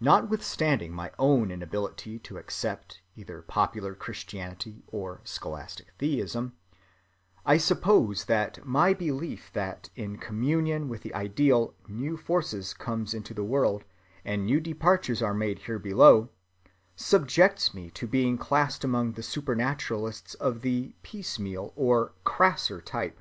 Notwithstanding my own inability to accept either popular Christianity or scholastic theism, I suppose that my belief that in communion with the Ideal new force comes into the world, and new departures are made here below, subjects me to being classed among the supernaturalists of the piecemeal or crasser type.